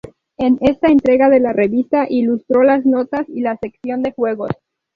En esta entrega de la revista ilustró las notas y la sección de juegos.